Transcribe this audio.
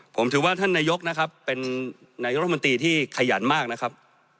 ผมถือว่าท่านนายกนะครับเป็นนายกรมนตรีที่ขยันมากนะครับ